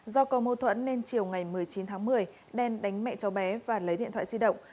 do có mâu thuẫn nên chiều ngày một mươi chín tháng một mươi đen đánh mẹ cháu bé và lấy điện thoại di động